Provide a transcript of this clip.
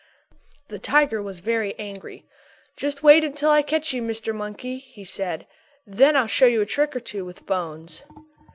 _" The tiger was very angry. "Just wait until I catch you, Mr. Monkey," he said. "Then I'll show you a trick or two with bones."